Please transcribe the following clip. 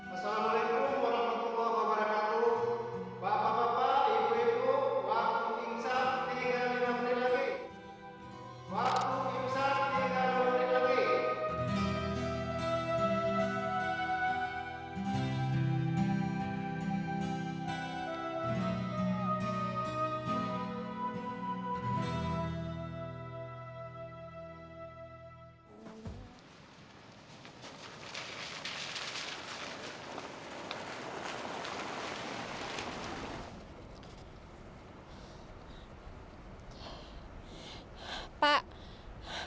assalamu'alaikum warahmatullahi wabarakatuh